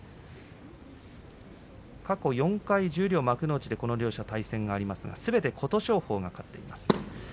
過去４回十両幕内でこの両者対戦がありましてすべて琴勝峰が勝っています。